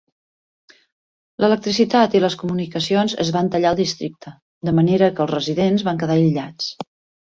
L'electricitat i les comunicacions es van tallar al districte, de manera que els residents van quedar aïllats.